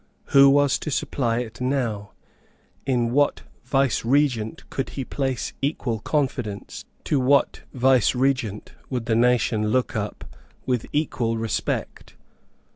Who was to supply it now? In what vicegerent could he place equal confidence? To what vicegerent would the nation look up with equal respect?